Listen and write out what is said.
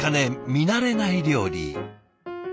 見慣れない料理。